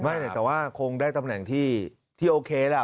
ไม่แต่ว่าคงได้ตำแหน่งที่โอเคล่ะ